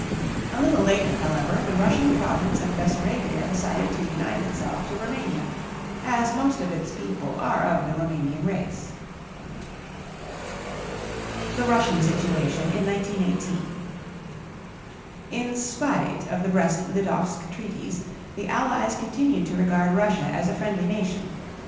A little later, however, the Russian province of Bessarabia decided to unite itself to Roumania, as most of its people are of the Roumanian race. THE RUSSIAN SITUATION IN 1918. In spite of the Brest Litovsk treaties, the Allies continued to regard Russia as a friendly nation.